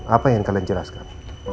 apa yang kalian jelaskan